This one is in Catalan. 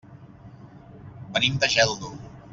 Venim de Geldo.